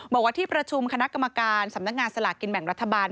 บอกว่าที่ประชุมคณะกรรมการสำนักงานสลากกินแบ่งรัฐบาล